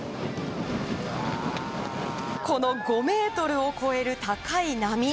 この５ｍを超える高い波！